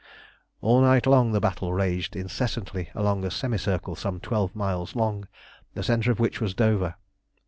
All night long the battle raged incessantly along a semicircle some twelve miles long, the centre of which was Dover.